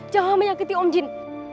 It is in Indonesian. jangan menyakiti om jin